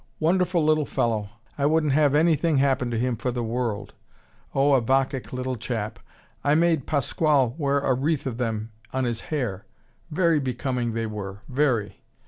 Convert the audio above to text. "Wonderful little fellow! I wouldn't have anything happen to him for the world. Oh, a bacchic little chap. I made Pasquale wear a wreath of them on his hair. Very becoming they were, very.